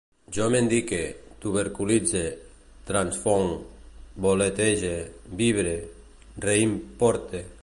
Jo mendique, tuberculitze, transfonc, voletege, vibre, reimporte